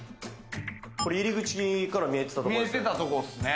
これ、入り口から見えてたとこですよね。